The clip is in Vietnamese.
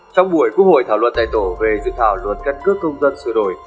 trong buổi quốc hội thảo luận tài tổ về dự thảo luận cắt cước công dân sửa đổi